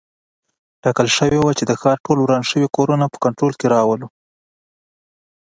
ټاکل شوي وه چې د ښار ټول وران شوي کورونه په کنټرول کې راولو.